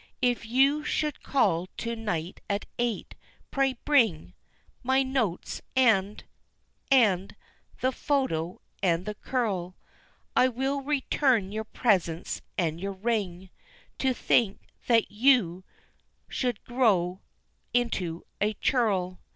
If you should call to night, at eight, pray bring My notes and and the photo, and the curl, I will return your presents and your ring, To think, that you should grow into a churl."